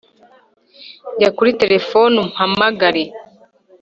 jya kuri terefone umpamagare